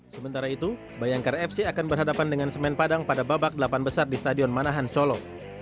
sementara itu bayangkara fc akan berhadapan dengan semen padang pada babak delapan besar di stadion manahan solo